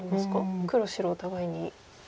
黒白お互いに。